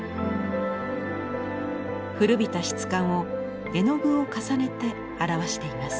古びた質感を絵の具を重ねて表しています。